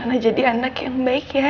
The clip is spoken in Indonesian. karena jadi anak yang baik ya